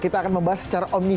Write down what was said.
kita akan membahas secara online